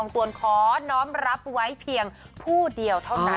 ตวนขอน้องรับไว้เพียงผู้เดียวเท่านั้น